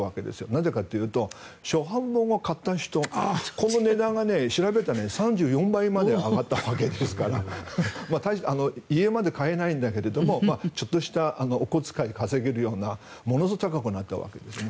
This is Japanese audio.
なぜかというと初版本を買った人この値段が、調べたら３４倍まで上がったわけですから家まで買えないんだけどもちょっとしたお小遣いを稼げるようなものすごく高くなったわけです。